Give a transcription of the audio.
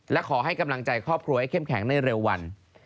และขอให้กำลังใจครอบครัวให้เข้มแข็งในเร็ววัน